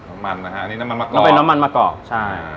น้ำมันนะฮะนี่น้ำมันมะกรอบน้ำมันมะกรอบใช่